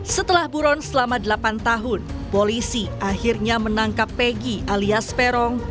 setelah buron selama delapan tahun polisi akhirnya menangkap pegi alias peron